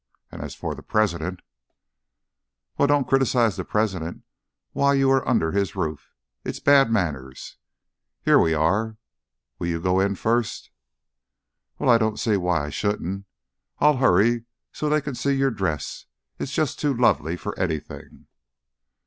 And as for the President " "Well, don't criticise the President while you are under his roof. It is bad manners. Here we are. Will you go in first?" "Well, I don't see why I shouldn't. I'll hurry on so they can see your dress; it's just too lovely for anything."